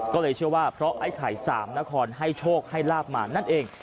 ก็เลยเชื่อว่าเพราะไอ้ไข่สามนครให้โชคให้ลาบมานั่นเอง